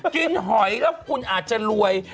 หอยแล้วคุณอาจจะรวย